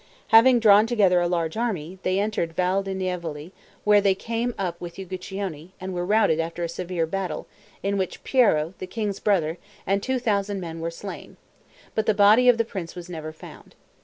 Having drawn together a large army, they entered the Val di Nievole where they came up with Uguccione, and were routed after a severe battle in which Piero the king's brother and 2,000 men were slain; but the body of the Prince was never found.